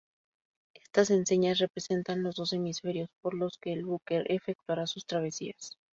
Estas enseñas representan los dos hemisferios por los que el buque efectuará sus travesías.